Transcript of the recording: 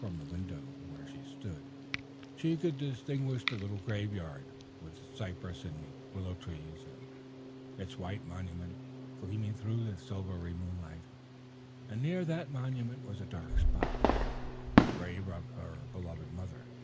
From the window where she stood she could distinguish the little graveyard, with its cypress and willow trees, and its white monument gleaming through the silvery moonlight, and near that monument was a dark spot, the grave of her beloved mother.